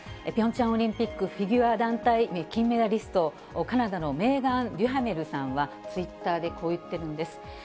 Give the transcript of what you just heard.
ピョンチャンオリンピックフィギュア団体金メダリスト、カナダのメーガン・デュハメルさんは、ツイッターでこう言ってるんです。